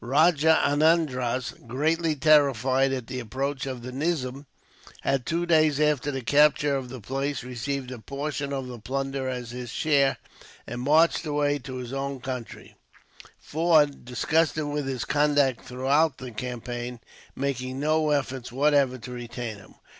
Rajah Anandraz, greatly terrified at the approach of the nizam, had, two days after the capture of the place, received a portion of the plunder as his share, and marched away to his own country; Forde, disgusted with his conduct throughout the campaign, making no effort whatever to retain him.